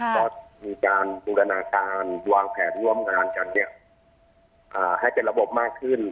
ก็มีการบูรณาการวางแผนร่วมงานกันให้เป็นระบบมากขึ้น